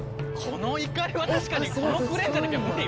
この碇は確かにこのクレーンじゃなきゃ無理。